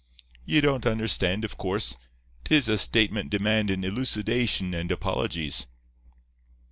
Ye don't understand, of course. 'Tis a statement demandin' elucidation and apologies.